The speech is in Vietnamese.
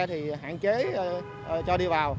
thì hạn chế cho đi vào